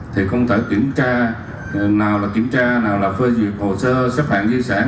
thì không thể kiểm tra nào là kiểm tra nào là phê duyệt hồ sơ xếp hạng di sản